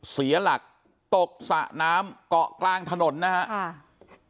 เสียหลักตกสระน้ำเกาะกลางถนนนะครับ